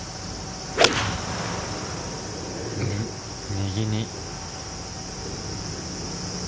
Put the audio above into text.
右に。